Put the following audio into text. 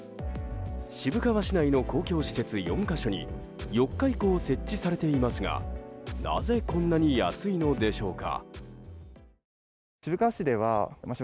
渋川市内の公共施設４か所に４日以降設置されていますがなぜこんなに安いのでしょうか。